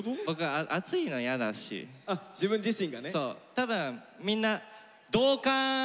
多分みんな「同感」！